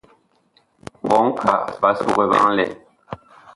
Ɓɔŋ kaa ɓaa sugɛ vaŋ lɛn.